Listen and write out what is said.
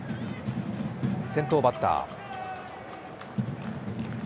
先頭バッター。